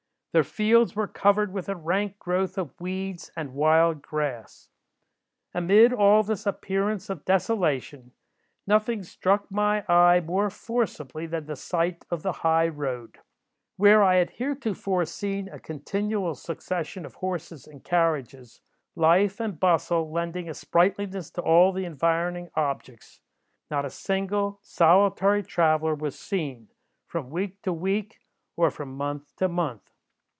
Their fields were covered with a rank growth of weeds and wild grass. "Amid all this appearance of desolation, nothing struck my eye more forcibly than the sight of the high road. Where I had heretofore seen a continual succession of horses and carriages, life and bustle lending a sprightliness to all the environing objects, not a single, solitary traveller was seen, from week to week, or from month to month.